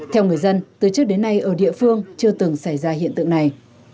theo người dân từ trước đến nay ở địa phương chưa từng xảy ra hiện tượng này